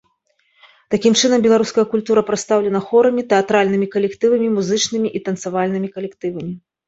Такім чынам, беларуская культура прадстаўлена хорамі, тэатральных калектывамі, музычнымі і танцавальнымі калектывамі.